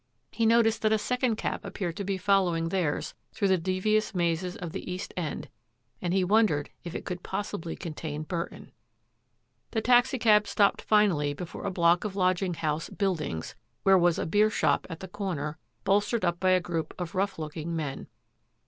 He noticed that a second cab appeared to be following theirs through the devious mazes of the East End and he wondered if it could possibly contain Burton. The taxicab stopped finally before a block of lodging house " buildings," where was a beer shop at the comer, bolstered up by a group of rough looking men.